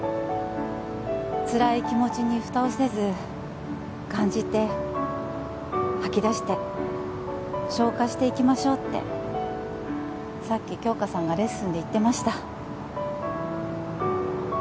つらい気持ちに蓋をせず感じて吐き出して消化していきましょうってさっき杏花さんがレッスンで言ってました